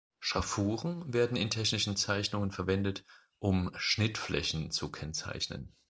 Schraffuren werden in technischen Zeichnungen verwendet, um "Schnittflächen" zu kennzeichnen.